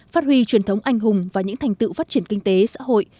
phát huy truyền thống anh hùng và những thành tựu phát triển kinh tế xã hội